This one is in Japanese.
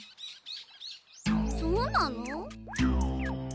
そうなの？